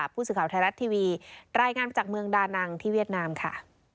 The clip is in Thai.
ผู้สื่อข่าวไทยรัฐทีวีรายงานมาจากเมืองดานังที่เวียดนามค่ะ